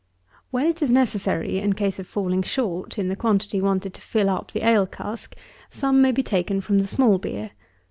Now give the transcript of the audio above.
62. When it is necessary, in case of falling short in the quantity wanted to fill up the ale cask, some may be taken from the small beer.